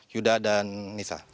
yuda dan nisa